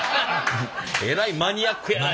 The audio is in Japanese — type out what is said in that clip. えらいマニアックやな。